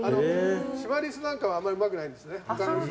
シマリスなんかはあんまりうまくないんですね。